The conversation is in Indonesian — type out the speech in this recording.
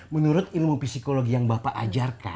menurut ilmu psikologi yang bapak ajarkan